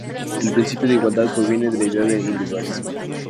El principio de igualdad proviene de la idea de individualismo.